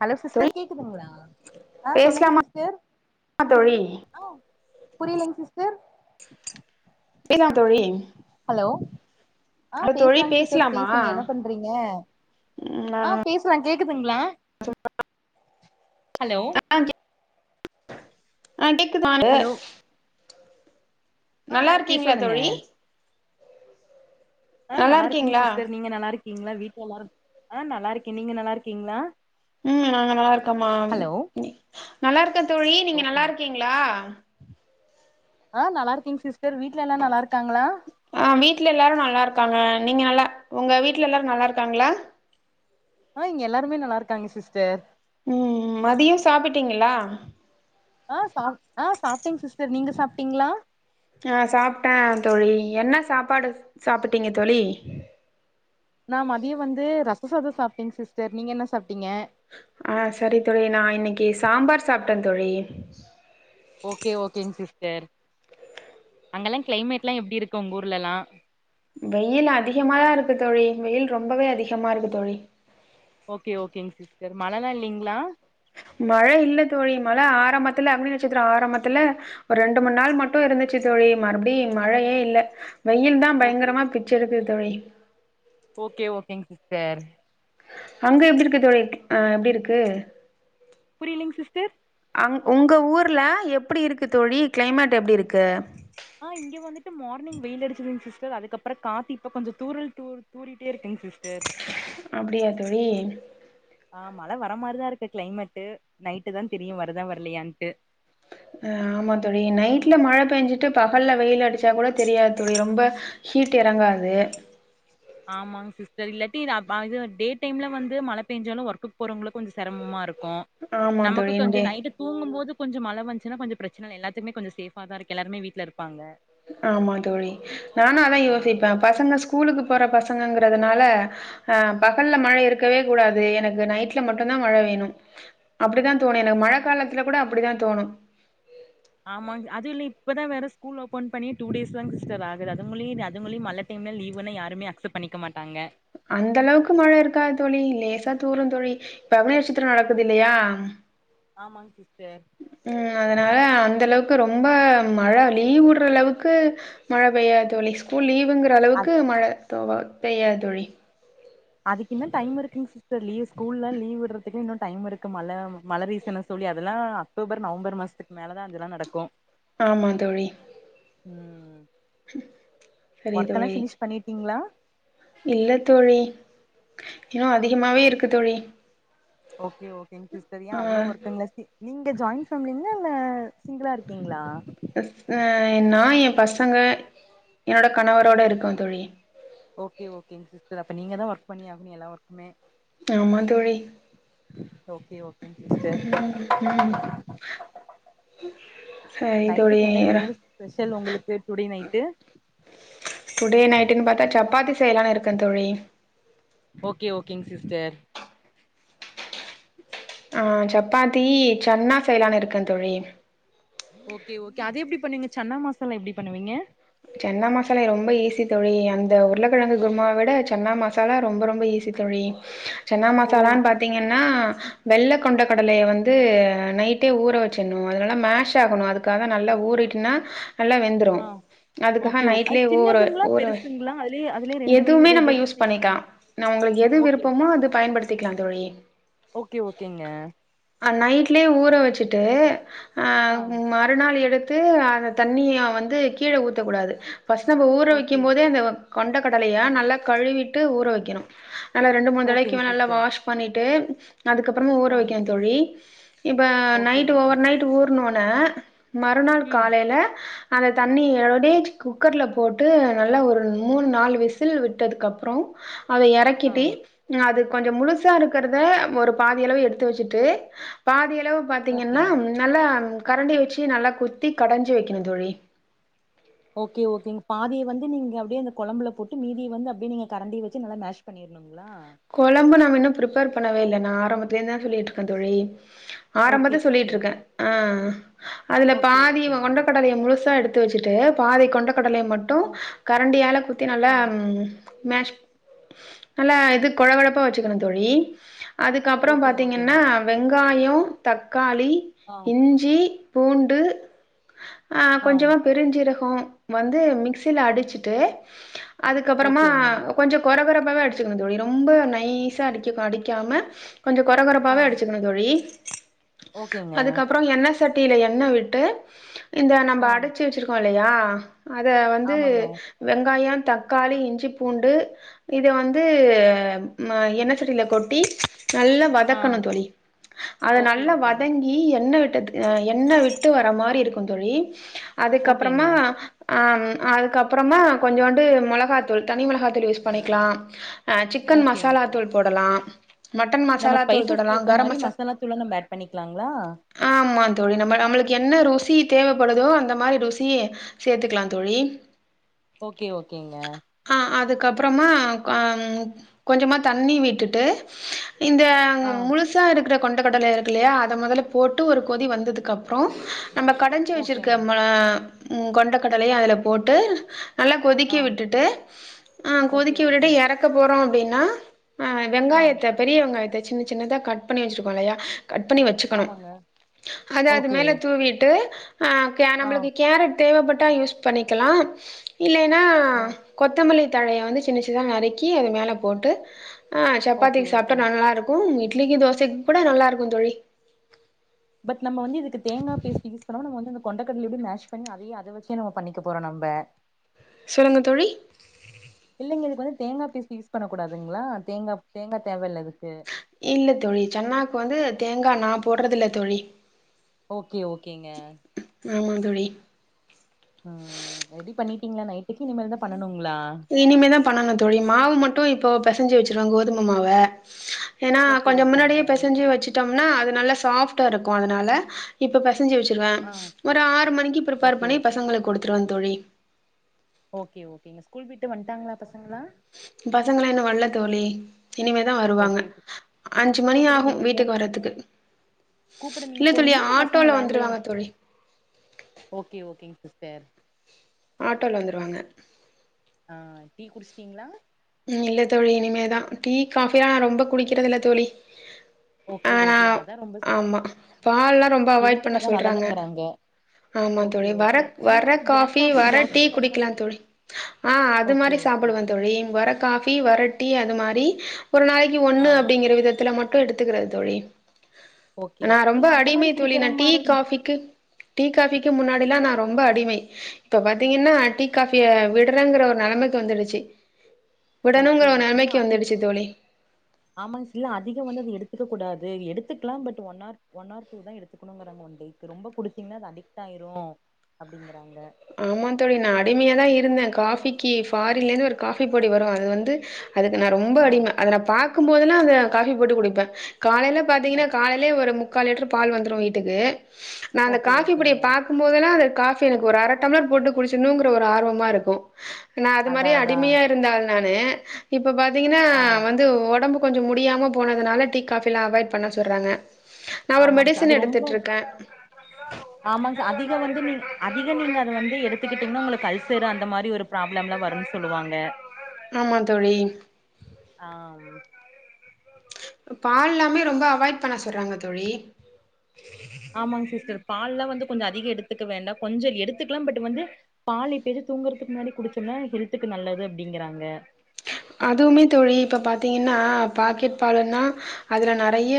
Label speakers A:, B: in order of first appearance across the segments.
A: Hello
B: தோழி
A: sister கேக்குதுங்ளா ஆ சொல்லுங்க
B: பேசலாமா
A: சிஸ்டர்
B: தோழி
A: ஆ புரியலங் சிஸ்டர்
B: இப்டேதா தோழி
A: ஹலோ ஆ
B: ஹலோ தோழி
A: பேசலாங் சிஸ்டர்
B: பேசலாமா
A: பேசுங்க என்ன பண்றீங்க ஆ பேசலா கேக்குதுங்ளா ஹலோ
B: அ கேக்குது எனக்கு
A: ஹலோ ஆ ஓகே
B: நல்லாருக்கீங்ளா
A: சொல்லுங்க
B: தோழி
A: ஆ
B: நல்லா
A: நல்லாருக்கீங்
B: இருக்கீங்களா
A: சிஸ்டர் நீங்க நல்லாருக்கீங் கீங்ளா வீட்ல எல்லாரு அ நல்லாருக்கே நீங்க நல்லாருக்கீங்ளா
B: ம் நாங்க நல்லாருக்கோம்மா நல்லாருக்க தோழி நீங்க
A: ஓகேங்க
B: நல்லாருக்கீங்ளா
A: அ நல்ல இருக்கீங் சிஸ்டர் வீட்ல எல்லா நல்லாருக்
B: அ வீட்ல எல்லாரு நல்லாருக்காங்க நீங்க நல்லா ஒங்க வீட்ல எல்லாரு நல்லாருக்காங்ளா
A: அ இங்க எல்லாருமே நல்லாருக்காங்க சிஸ்டர்
B: ம் மதியோ சாப்பிட்டீங்ளா
A: அ சாப்ட் அ சாப்ட்டங் சிஸ்டர் நீங்க சாப்ட்டீங்ளா
B: அ சாப்ட்ட தோழி என்ன சாப்பாடு சாப்பிட்டீங்க தோழி
A: நா மதிய வந்து ரச சாத சாப்ட்டேங் சிஸ்டர் நீங்க என்ன சாப்ட்
B: ஆ சரி தோழி நா இன்னக்கி சாம்பார் சாப்ட்ட தோழி
A: ஓகே ஓகேங் சிஸ்டர் அங்கல்லா க்ளைமேட்லா எப்டி இருக்கு ஒங்ஊர்லலா
B: வெய்யில் அதிகமாதா இருக்கு தோழி வெய்யில் ரொம்பவே அதிகமாருக்கு தோழி
A: ஓகே ஓகேங் சிஸ்டர் மழலா இல்லீங்ளா
B: மழ இல்ல தோழி மழ ஆரம்பத்துல அக்னி நட்சத்திர ஆரம்பத்துல ஒ ரெண்டு மூனு நாள் மட்டும் இருந்துச்சு தோழி மறுபடி மழையே இல்ல வெய்யில் தா
A: ஓகே ஓ
B: பயங்கரமா பிச்சி எடுக்குது தோழி
A: ஓகே ஓகேங் சிஸ்டர்
B: அங்க எப்டி இருக்கு தோழி அ எப்டி இருக்கு
A: புரியலைங் சிஸ்டர்
B: அங் உங்க ஊர்ல எப்புடி இருக்கு தோழி க்ளைமேட் எப்டி இருக்கு
A: ஆ இங்க வந்துட்டு மார்னிங் வெயில் அடிச்சிதுங் சிஸ்டர் அதுக்கப்பற காத்து இப்ப கொஞ்ச தூரல் தூர் தூரிட்டேருக்
B: அப்டியா தோழி
A: ஆ, மழ வர மாரிதாருக்கு கிளைமேட்டு நைட்டுதா தெரியு வருதா வரலயான்ட்டு
B: அ ஆமா தோழி, நைட்ல மழ பேஞ்சுட்டு பகல்ல வெயில் அடிச்சா கூட தெரியாது தோழி ரொம்ப ஹீட் எறங்காது
A: ஆமாங் சிஸ்டர் இல்லாட்டி ரா பா அது டே டைம்ல வந்து மழ பேஞ்சாலு ஒர்க்குக் போறவங்களுக்கு கொஞ்ச செரமமாருக் கு
B: ஆமா
A: நமக்கு
B: தோழி
A: கொஞ்சோ
B: இங்கே
A: நைட்டு தூங்கும்போது கொஞ்ச மழ வந்ச்சுனா கொஞ்ச பிரச்சன எல்லாத்துக்குமே கொஞ்ச சேஃபாதாருக்கு எல்லாருமே வீட்ல இருப்பாங்க
B: ஆமா தோழி நானு அதா
A: ஆ
B: யோசிப்ப பசங்க ஸ்கூலுக்கு போற பச சங்கங்கிறதுனாலே ஆ பகல்லே மழை இருக்கவே கூடாது எனக்கு நைட்லே மட்டுந்தா மழை வேணு அப்பிடிதா தோணோ எனக்கு மழை காலத்துலே கூட அப்பிடிதா தோணோ
A: ஆமாங் அது இல்ல இப்பதா வேற ஸ்கூல் ஓப்பன் பண்ணி டூ டேஸ்தாங் சிஸ்டர் ஆகுது அதுங்குள்ளியே இத் அதுங்குள்ளியு மழ டைம்ல லீவுன்னு யாருமே அச்செப்ட் பண்ணிக்க மாட்டாங்கே
B: அந்தளவுக்கு மழ இருக்காது தோழி லேசா தூரோ தோழி இப்பே அக்நேச்சத்திரோ நடக்குதில்லியா
A: ஆமாங் கி
B: ம் அதுனால அந்தளவுக் கு ரொம்பே மழ லீவ் உட்றளவுக்கு மழ பெய்யாத் தோழி ஸ்கூல் லீவ் விங்கிற
A: அ
B: அளவுக்கு மழ [unintelligible] பெய்யாத் தோழி
A: அதுக்கு இன்னு டைம் இருக்குங் சிஸ்டர் லீவ் ஸ்கூல்லா லீவ் விட்றதுக்கு இன்னு டைம் இருக்கு மழ மழ ரீசன சொல்லி அதெல்லா அக்டோபர் நவம்பர் மாசத்துக் மேலதா அதுலா நடக்கோ
B: ஆமா தோழி
A: ம்
B: சரி
A: ஒர்க்கலா
B: தோழி
A: ஃபினிஷ் பண்ணீற்கீங்ளா
B: இல்ல தோழி இன்னோ அதிகமாவே இருக்கு தோழி
A: ஓகே ஓகே இத் செரியா
B: ஆ
A: அவ்ளோ ஒர்க்கிங்ளா சி நீங்க ஜாயின் ஃபேமிலிங்ளா இல்லே சிங்கிளா இர்க்கீங்ளா
B: அ ஆ எ நா எ பசங்கே எனோட கணவரோட இருகோன் தோழி
A: ஓகே ஓகேங் சிஸ்டர் அப்ப நீங்கதா ஒர்க் பண்ணி ஆவிங் எல்லா ஒர்க்மே
B: ஆமா தோழி
A: ஓகே ஓ கே சிஸ்டர்
B: சரி தோழி
A: நைட்டுக்கு என்ன டின்னர் ஸ்பெஷல் உங்களுக்கு டுடே நைட்டு
B: டுன் பாத்தா சப்பாத்தி செய்யலானு இருக்கே தோழி
A: ஓகே ஓகேங் சிஸ்டர்
B: ஆ சப்பாத்தி சன்னா செய்யலானு இருக்கே தோழி
A: ஓகே ஓகே அத எப்படி பண்ணுவீங்க சன்னா மாசாலா எப்டி பண்ணுவீங்க
B: சன்னா மசாலா ரொம்ப ஈசி தோழி அந்த உருளக்கெழங்கு குருமா விட சன்னா மசாலா ரொம்ப ரொம்ப ஈசி தோழி சன்னா
A: ஓ
B: மசாலான் பாத்தீங்கன் னா வெள்ள கொண்ட கடலைய வந்து நைட்டே ஊற வச்சிடணு அதனால மேஷ் ஆகணு அதுக்காக நல்லா ஊறிட்டுனா நல்லா வெந்துரு
A: ஆ
B: அதுக்காக
A: ஓகே ஓ அது
B: நைட்லயே ஊற
A: சின்னதுங்களா
B: ஊற
A: பெருசுங்களா அதுலயே அதுலயே ரெண்டு
B: எதுவுமே
A: வயசு ரெ
B: நம்ம
A: ரெண்டு
B: யூஸ்
A: சை
B: பண்ணிக்கலா ந உங்களுக்கு எது
A: ஓகே
B: விருப்பமோ அது பயன்படுத்திக்கலா தோழி
A: ஓகே ஓகேங்க
B: அது நைட்லே ஊற வச்சுட்டு ஆ மறுநாள் எடுத் து அந்த தண்ணிய வந்து கீழ ஊத் த கூடாது ஃபர்ஸ்ட் நம்ம ஊற
A: ஓகே
B: வைக்கும் போதே அந்த கொண்ட கடலைய நல்லா கழுவிட்டு ஊற வைக்கணு நல்லா ரெண்டு மூணு தடவைக்கு
A: ஓகேங்க
B: மேல நல்லா
A: சிஸ்டர்
B: வாஷ் பண்ணிட்டு அதுக்கப்பறமா ஊற
A: ஆ
B: வக்கனும் தோழி இப்ப
A: ஓகே
B: நைட் ஓவர்
A: ஓகேங்க
B: நைட் ஊறனும் ன மறுநாள்
A: ம்
B: காலேல அந்த தண்ணி ஏலோ வேஜ் குக்கர்ல போட்டு நல்லா ஒரு மூணு நாலு விசில் விட்டதுக்கப்றோ அத
A: ஆ
B: இறக்கிட்டு நா அது கொஞ்சோ முழுசா இருக்கறத ஒரு பாதியளவு எடுத்து வச்சுட்டு பாதிய அளவு பாத்தீங்கன்னா
A: ஓகேங்க
B: நல்லா கரண்டி வச்சு நல்லா குத்தி கடஞ்சு வைக்கணும் தோழி
A: ஓகே ஓகேங்க பாதிய வந்து நீங்க அப்டியே அந்த கொழம்புல போட்டு மீதிய வந்து அப்டியே நீங்க கரண்டிய வச்சு நல்லா மேஷ் பண்ணிருவீங்
B: கொழம்பு நாம்ம இன்னும் பிறிப் பர் பண்ணவே இல்ல நா ஆரம்பத்துலே இருந்துதான் சொல்லிட்டு இருக்கேன் தோழி
A: ஓகே
B: ஆரம்பதே சொல்லிட்டு
A: ஓகே
B: இருக்கேன் ஆஹ் அதுல
A: ஓகே
B: பாதி
A: ஓகேங்க
B: கொண்ட கடலய முழுசா எடுத் து வச்சுட்டு பாதி கொண்ட கடலய மட்டும்
A: ஓ
B: கரண்டியால குத்தி நல்லா
A: ஆ
B: மேஷ் நல்லா இது கொழ கொழப்பா வச்சுக்கணும் தோழி அதுக்கப்புறம்
A: ஓகே
B: பாத்திங்கன்னா
A: ஓகேங்க
B: வெங்காயோ தக் காளி
A: ஆ
B: இஞ்சி பூண்டு ஆ கொஞ்சமா பெருஞ்சீரகோ வந்து மிக்சில அடிச்சுட்டு அதுக்கப்புறமா
A: ஓகேங்க
B: கொஞ்ச கொர கொரப்பாவே அடுச்சுங்க தோழி நோ ரொம்ப நைஸா அடிக்க அடிக்காம கொஞ்சம் கொர
A: ஆ
B: கொரப்பாவே அடுச்சுக்கணும் தோழி
A: ஓகேங்க
B: அதுக்கப்புறம் எண்ண சட்டில எண்ண விட்டு இந்த நம்ம
A: ஆ
B: அடுச்சு வச்சிருக்கோம் இல்லையா அத வந்து
A: ஆமாங்க
B: வெங்காயம் தக்காளி இஞ்சி பூண்டு இத வந்து என்ன சட்டில கொட்டி நல்லா
A: ஆ
B: வதக்கணும் தோழி அத
A: ஓகே
B: நல்லா
A: ஓகேங்க
B: வதங்கி என்ன விட் என்ன விட்டு வர மாரி இருக்கும் தோழி
A: ஓகேங்க
B: அதுக்கப்புறமா ஆ அதுக்கப்புறமா கொஞ்சுண்டு மிளகாத்தூள் தனி மிளகாத்தூள் யூஸ் பண்ணிக்கலாம் சிக்கன்
A: ஓகேங்க
B: மசாலா தூள் போடலாம் மட்டன்
A: நம்ம
B: மசாலா தூள்
A: ஸ்பைசஸ்க்கு
B: போடலாம்
A: ஏத்த
B: கரம்
A: மாரி
B: மசாலா
A: தூள நம்ம ஆட் பண்ணிக்கலாங்களா
B: ஆமா தோழி நம்ம நம்மளுக்கு என்ன ருசி தேவைப்படுதோ அந்த மாரி ருசி சேத்துக்கலாம் தோழி
A: ஓகே ஓகேங்க
B: கப்பறமா க கொஞ்சமா தண்ணி விட்டுட்டு இந்த
A: ஆ
B: முழுசாருக் ர கொண்டக்கடல இருக்குல்லையா அத மொதல்ல போட்டு ஒரு கொதி வந்ததுக்கப்றோ நம்ம கடஞ்சு வச்சுருக்க
A: ஓகேங்க
B: ம உ கொண்டக்கடலைய் அதுல போட்டு நல்லா கொதிக்க
A: ஆ
B: விட்டுட்டு அ
A: ஓகே
B: கொதிக்க விடுட்டு
A: ஓகே
B: எறக்க போறோ ன அ
A: ஆ
B: வெங்காயத்த பெரிய வெங்காயத்த சின்ன சின்னதா கட் பண்ணி வச்ருக்கோல்லையா கட் பண்ணி வச்சுக்கணு
A: ஆமாங்க
B: அத அது
A: ஓகே
B: மேல தூவீட்டு ஆகே
A: ஆ
B: நம்மளுக்கு கேரட் தேவப்பட் ட்டா யூஸ் பண்ணிக்கெலா இல்லைன்னா
A: ஆ
B: கொத்தமல்லி தழைய வந்து சின்ன சின்னதா நறுக்கி அது மேல போட்டு அ
A: ஓகே
B: சப்பாத்திக்
A: ஓகே
B: சாப்ட்டா நல்லாருக்கு இட்லிக்கு தோசைக்கூட நல்லாருக்கு தோழி
A: பட் நம்ம வந்து இதுக்கு தேங்கா பேஸ்ட் யூஸ் பண்ணாம நம்ம வந்து ந்த கொண்ட கட்லையோட மேஷ் பண்ணி அதையே அத வச்சு நம்ம பண்ணிக்க போறோ நம்ப
B: சொல்லுங்க தோழி
A: நீங்க இதுக் வந்து தேங்கா பீஸ்ட் யூஸ் பண்ணக்கூடாதுங்ளா தேங்கா தேங்கா தேவல்ல இ
B: இல்ல தோழி சென்னாக்கு வந்து தேங்கா நா போட்றதில்ல தோழி
A: ஓகே ஓகேங்க
B: ஆமா தோழி
A: ம் ரெடி பண்ணிட் [unintelligible] நைட்டுக்கு இனிமேல்தா பண்ணனுங்
B: இனிமேதா பண்ணனு தோழி மாவு மட்டு இப்போ பெசஞ்சு வச்சுருவ கோதும மாவ ஏனா
A: ஓகே
B: கொஞ்ச
A: ஓகேங்க
B: முன்னாடியே பெசஞ்சு வச்சுட்டம்னா அது நல்லஸ் சாஃப்ட்டாருக்கு அதனால இப்ப பெ செஞ்சு வச்சுருவ
A: ஆ
B: ஒரு ஆறு மணிக்கு ப்ரிப்பார்
A: ஓகே
B: பண்ணி பசங்களுக் கொடுத் திருவந் தோழி
A: ஓகே ஓகேங்க ஸ்கூல் பிட்டு வட்டாங்ளா ப
B: பசங்களா இன்னு வல்ல தோழி இனிமேதான் வருவாங்க
A: ஓகே ஓகே
B: அஞ்சு மணி
A: கூப்பிட
B: ஆகும்
A: நீங்க
B: வீட்டுக்கு
A: போணுங்க
B: வர்துக்கு
A: கூப்பிட நீங்க
B: இல்ல தோழி
A: போவீங்களா பசங்க
B: ஆட்டோல
A: வேன்லயே
B: வந்துருவாங்க
A: வந்
B: தோழி
A: பேர்
B: ஆட்டோல வந்துருவாங்க
A: ஆ டீ குடிச்சிட்டீங்களா
B: ம் இல்ல தோழி இனிமேதான் டீ காபிலாம் நான் ரொம்ப குடிக்கறது இல்ல தோழி ஆ
A: ஓகே ஓகேங்க அதா ரொம்ப
B: ஆமா பால் எல்லாம் ரொம்ப அவாய்ட் பண்ண
A: ஹெல்த்துக்கு அதா
B: சொல்றாங்க
A: நல்லதுங்கறாங்க
B: ஆமா
A: ஓகே
B: தோழி வர
A: ஓகே நீங்க
B: வர
A: வந்து பிளாக்
B: காபி
A: காஃபி
B: வர
A: பிளாக்
B: டீ
A: அந்த
B: குடிக்கலாம்
A: மாரி
B: தோழி ஆ அது
A: ஓகே
B: மாரி
A: ஓகே
B: சாப்பிடுவேன் தோழி வர காபி வர டீ அது மாரி ஒரு நாளைக்கு
A: ஆ
B: ஒன்னு அப்டிங்கிற விதத்துல மட்டும் எடுத்துக்கறது தோழி
A: ஓகே
B: நான்
A: ஓகே
B: ரொம்ப
A: இல்ல அந்த மாரி
B: அடிமை தோழி ந
A: குடிக்கிற
B: டீ
A: மாரி
B: காபிக்கு டீ காபி முன்னாடில்லாம் நான் ரொம்ப அடிமை இப்ப பாத்தீங்கன்னா டீ காபிய விடுறேங்கிற ஒரு நிலைமைக்கு வந்துடுச்சு
A: ஓகே
B: விடணுங்கிற ஒரு
A: ஓகே இல்ல
B: நெலைமைக்கு வந்துடுச்சு
A: அதிகமா
B: தோழி
A: ஆமா அதிகம் வந்துது எடுத்துக்க கூடாது எடு எடுத்துக்கலாம் ஒன்னார் ஒன்னார் எடுக்குங்க ரொம்படிச்சீங்கன்னா அது அடிக்ட் ஆயிரும் அப்டிங்க
B: ஆமா தோழி நான் அடிமையா தான் இருந்தேன் காபி காபிக்கு ஃபாரின்ல இருந்து ஒரு காஃபி பொடி வரும் அது வந்து அதுக்கு நான் ரொம்ப
A: ஆ
B: அடிமை அதை நான் பா பக்கும்போதுல்லாம் அத காபி போட்டு குடிப்பேன் காலைல பாத்தீங்கன்னா காலையயே ஒரு மு முக்கால் லிட்டுரு பால் வந்துடும் வீட்டுக்கு நான் அந்த
A: ஓகே
B: காஃபிபொடிய
A: ஓகேங்க
B: பாக்கும்போதெல்லாம் அத காஃபி எனக்கு ஒரு அரட் டம்ளர் போட்டு குடிச்சணுங்கிற ஒரு ஆர்வமா இருக்கும் நான் அது மாரி
A: அதா அதா
B: அடிமையா இருந்தால் நானு இப்ப இப்ப பாத்தீங்கன்னா
A: ஆ
B: வந்து உடம்புக்கு கொஞ்சம் முடியாம போனதுனால டீ காபில்லாம் அவாய்ட் பண்ண சொல்றாங்க நா ஒரு
A: ஆமாங்க சார் அது
B: மெடிசன்
A: ரொம்போ
B: எடுத்துட்ருக்கே
A: ஆமாங்க சார் அதிக நீ வந்து நீ அதிக நீங்க அத வந்து எடுத்துக்கிட்டீங்கன்னா உங்க அல்சர் அந்த மாதிரி ஒரு ப்ராப்ளம் எல்லாம் வரும்னு சொல்லுவாங்க
B: ஆமா தோழி
A: ஆ
B: பால்லாமே ரொம்ப அவாய்ட் பண்ண சொல்றாங்க தோழி
A: ஆமாங்க சிஸ்டர் பால்லாம் வந்து கொஞ்ச அதிக எடுத்துக்க வேண்டா கொஞ்ச எடுத்துக்கலா பட் வந்து பால் எப்பயாது தூங்குறதுக்கு முன்னாடி குடிச்சோம்னா ஹெல்த்துக்கு நல்லது அப்டிங்கிறாங்க
B: அதுவுமே தோழி இப்போ பாத்தீங்கன்னா பாக்கெட் பாலன்னா அதுல நெறைய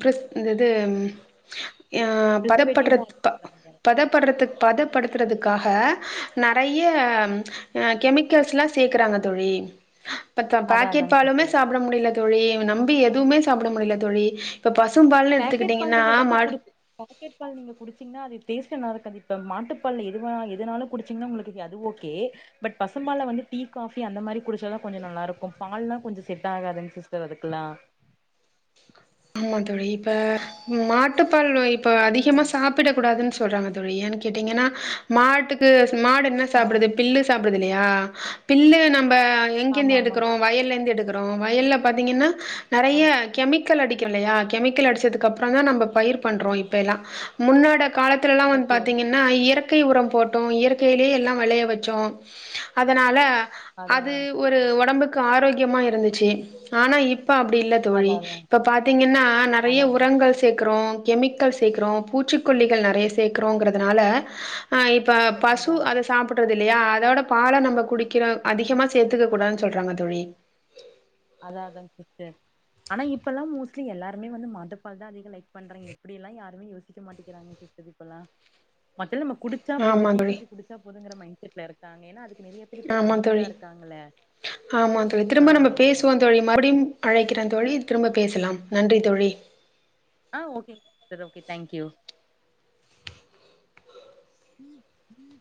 B: பிரஸ் இ இது ஆ பதப்படுறது
A: பிரிசர்வேட்டிவ்லா
B: பதப்படுறது பத படுத்துறதுக்காக நெறைய கெமிக்கல்ஸ்லா சேக்கறாங்க தோழி ஆஹ பத்த
A: அதா
B: பாக்கெட்
A: அதாங்க சிஸ்டர்
B: பாலுமே சாப்பிட முடியலது தோழி நம்பி எதுவுமே சாப்பிட முடியல தோழி இப்ப பசும்பால்னு
A: பேக்கெட் பால் நீங்க வந்து
B: எடுத்துக்கிட்டீங்கன்னா
A: குடிச் பாக்கெட் பால் நீங்க குடிச்சீங்கன்னா அது டேஸ்ட் நல்லா இருக்காது இப்ப மாட்டுப்பால் எதுவா எதுனாலும் குடிச்சீங்கன்னா உங்களுக்கு அது ஓகே பட் பசும்பால வந்து டீ காபி அந்த மாதிரி குடிச்சதான் கொஞ்சம் நல்லா இருக்கு பால்லாம் கொஞ்ச செட் ஆகாதுங் சிஸ்டர் அதுக்குலாம்
B: ஆமா தோழி இப்ப மாட்டுப்பால்
A: ஆ
B: அதிகமா சாப்பிடக்கூடாதுன் சொல் சொல்றாங்க தோழி ஏன்னு கேட்டீங்கன்னா மாட்டுக்கு மாடு என்ன
A: ஆ
B: சாப்பிடுது பில்லு சாப்ப டுது இல்லையா பில்லு நம்ம அஹ்
A: ஆமா
B: எங்கிருந்து
A: ஆமா
B: எடுக்றோம் வயல்ல இருந்து எடுக்குறோம் ப்புறம் வயல்ல பாத்தீங்கன்னா
A: ஆ
B: நிறைய கெமிக் க்கல் அடிக்கிறலையா கெமிக்கல் அடிச்சதுக்கு அப்புறம் தான் நம்ப பயிர் பண்றோம் இப்ப எல்லாம் முன்னாட காலத்திலல்லாம் வந்து
A: ஓகே
B: பாத்தீங்கன்னா இயற் இயற்கை உரம் போட்டோம் இயற்கையிலேயே எல்லாம் விளைய வச்சோம் அதனால
A: அதா
B: அது ஒரு உடம்புக்கு ஆரோக்கியமா இருந்துச்சு ஆனா இப்ப அப்ப அப்படி இல்ல தோழி
A: அதா அதா
B: இப்போ பாத்தீங்கன்னா நிறைய
A: அதா அதாங்
B: உரங்கள் சேக்குறோம் கெமிக்கல் சேக்றோ
A: ஆ
B: பூச்சிக்கொல்லிகள் நிறைய கே்கறோங்கிறதுனால இப்ப ப
A: அதா
B: பசு
A: அதா
B: அத சாப்புட்றது இல்லையா அதோட பால நம்ம குடிக்கிறோ அதிகமா சேத்துக்க கூடாதுனு சொல்றாங்க தோழி
A: அதா அதா சிஸ்டர், ஆனா இப்ப எல்லா மோஸ்ட்லி எல்லாருமே வந்து மாட்டுப்பால்தா அதிக லைக் பண்றாங்க இப்படி எல்லா யாருமே யோசிக்க மாட்டேிக்கிறாங்க சிஸ்டர் இப்பெல்லா மொதல்ல நம்ம குடிச்சா போது
B: ஆமா
A: டீ,
B: தோழி.
A: காஃபி குடிச்சா போது துங்ற மைண்ட் செட்ல இருக்காங்க ஏன்னா அது
B: ஆமா தோழி, ஆமா தோழி
A: ஆ
B: திரும்ப நம்ம பேசுவோ தோழி மறுபடியும் அழைக்கிற தோழி திரும்ப பேசலாம் நன்றி தோழி.
A: ஆ ஓகேங் சிஸ்டர் ஓகே தேக்யூ. ம், ம்